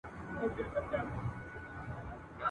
بيا به سور دسمال تر ملا کي !.